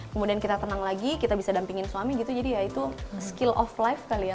kemudian kita tenang lagi kita bisa dampingin suami gitu jadi ya itu skill of life kali ya